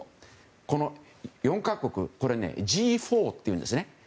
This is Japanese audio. この４か国Ｇ４っていうんですね。